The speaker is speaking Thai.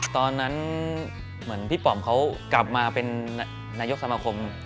ตอนนั้นเหมือนพี่ป๋อมเขากลับมาเป็นนายกสมาคม